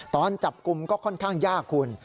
ตอนจับกลุ่มก็ค่อนข้างยากคุณ